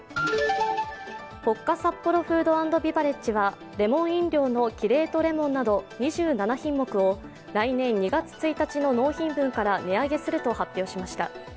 ポッカサッポロフード＆ビバレッジはレモン飲料のキレートレモンなど２７品目を来年２月１日の納品分から値上げすると発表しました。